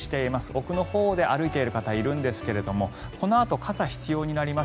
奥のほうで歩いている方いるんですけれどもこのあと傘が必要になります。